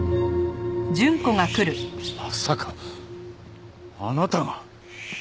まさかあなたが？